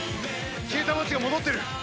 消えた街が戻ってる！